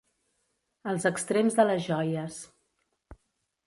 Als extrems de les joies.